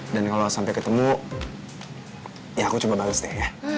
dan kalau sampai ketemu ya aku coba bales deh ya